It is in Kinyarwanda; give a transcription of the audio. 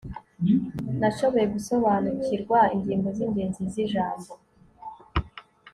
nashoboye gusobanukirwa ingingo zingenzi zijambo